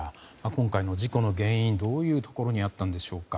今回の事故の原因どういうところにあったんでしょうか。